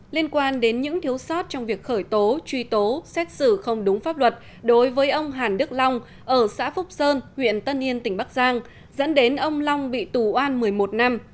liên quan đến những thiếu sót trong việc khởi tố truy tố xét xử không đúng pháp luật đối với ông hàn đức long ở xã phúc sơn huyện tân yên tỉnh bắc giang dẫn đến ông long bị tù an một mươi một năm